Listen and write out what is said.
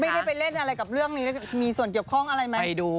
ไม่ได้ไปเล่นอะไรกับเรื่องนี้แล้วมีส่วนเกี่ยวข้องอะไรไหม